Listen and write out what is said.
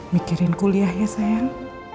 mikirin kuliah ya sayang